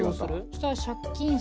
そしたら。